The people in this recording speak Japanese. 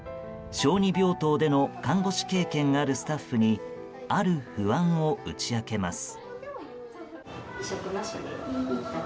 小児病棟での看護師経験があるスタッフにある不安を打ち明けます。